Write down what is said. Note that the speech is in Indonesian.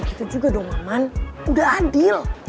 gak gitu juga dong aman udah adil